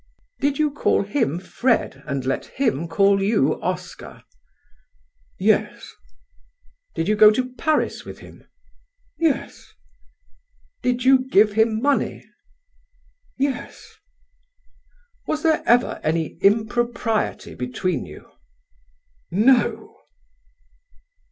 "Did you call him 'Fred' and let him call you 'Oscar'?" "Yes." "Did you go to Paris with him?" "Yes." "Did you give him money?" "Yes." "Was there ever any impropriety between you?" "No."